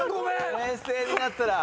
冷静になったら。